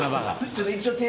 ちょっと一応。